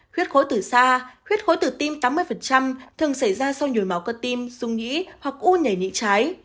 huyết khối từ xa huyết khối từ tim tám mươi thường xảy ra sau nhồi máu cơ tim sung nhĩ hoặc u nhảy nhĩ trái